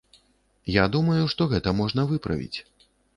Я думаю, што гэта можна выправіць.